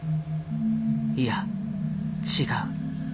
いや違う。